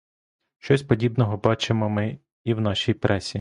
Щось подібного бачимо ми і в нашій пресі.